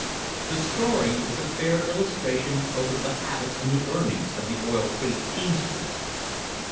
The story is a fair illustration both of the habits and the earnings of the Oil Creek teamsters.